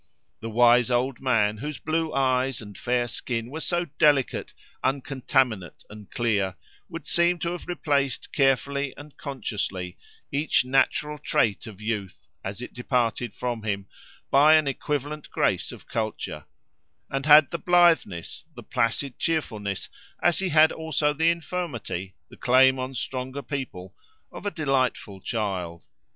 The wise old man, whose blue eyes and fair skin were so delicate, uncontaminate and clear, would seem to have replaced carefully and consciously each natural trait of youth, as it departed from him, by an equivalent grace of culture; and had the blitheness, the placid cheerfulness, as he had also the infirmity, the claim on stronger people, of a delightful child.